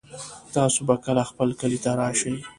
تاسو به کله خپل کلي ته راشئ